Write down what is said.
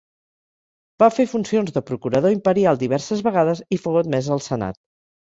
Va fer funcions de procurador imperial diverses vegades i fou admès al senat.